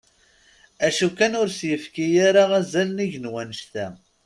D acu kan ur as-yefki ara azal nnig n wannect-a.